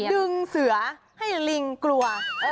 ดึงเสือให้ลิงกลัว